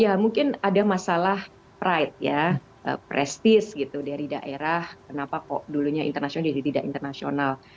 ya mungkin ada masalah pride ya prestis gitu dari daerah kenapa kok dulunya internasional jadi tidak internasional